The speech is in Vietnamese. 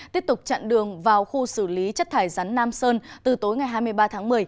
tiếp tục chặn đường vào khu xử lý chất thải rắn nam sơn từ tối ngày hai mươi ba tháng một mươi